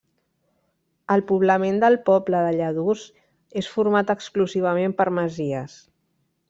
El poblament del poble de Lladurs és format exclusivament per masies.